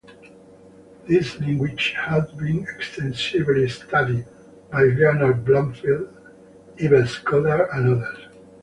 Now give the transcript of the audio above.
These languages have been extensively studied by Leonard Bloomfield, Ives Goddard, and others.